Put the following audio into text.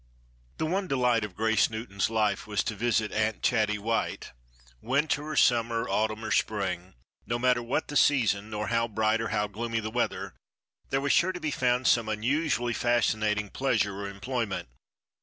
The one delight of Grace Newton's life was to visit Aunt Chatty White. Winter or summer, autumn or spring—no matter what the season nor how bright or how gloomy the weather—there was sure to be found some unusually fascinating pleasure or employment.